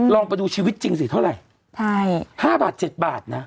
ลองไปดูชีวิตจริงสิเท่าไหร่ใช่๕บาท๗บาทนะ